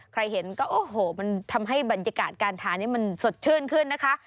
ใครเห็นก็โอ้โหมันทำให้บรรยากาศการทานนี้มันสดชื่นขึ้นนะคะ